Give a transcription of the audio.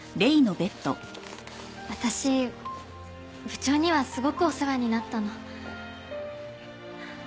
私部長にはすごくお世話になったの。